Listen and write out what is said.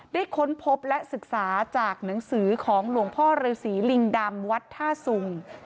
ค้นพบและศึกษาจากหนังสือของหลวงพ่อฤษีลิงดำวัดท่าสุง